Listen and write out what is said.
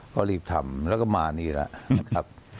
ก็รีบทำแล้วก็มานี่แหละนะครับ